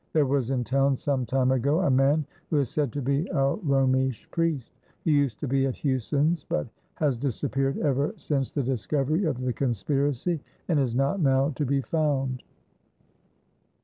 There was in town some time ago a man who is said to be a Romish Priest, who used to be at Huson's but has disappeared ever since the discovery of the conspiracy and is not now to be found.